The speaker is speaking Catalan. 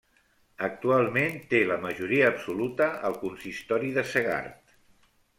Actualment té la majoria absoluta al consistori de Segart.